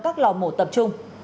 các lò mổ tập trung